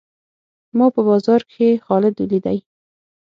ما په بازار کښي خالد وليدئ.